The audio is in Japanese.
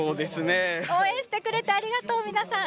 応援してくれてありがとう皆さん。